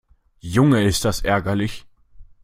Junge, ist das ärgerlich!